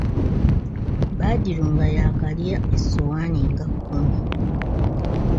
Badru nga yaakalya essowaani nga kkumi.